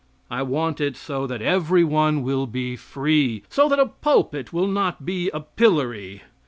I want it so that every one will be free so that a pulpit will not be a pillory.